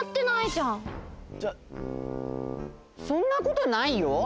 そんなことないよ。